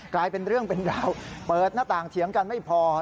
กลายเป็นเรื่องเป็นราวเปิดหน้าต่างเถียงกันไม่พอ